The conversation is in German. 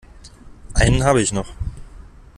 Einen habe ich noch.